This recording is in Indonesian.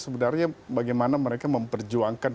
sebenarnya bagaimana mereka memperjuangkan